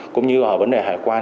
cũng như ở vấn đề hải quản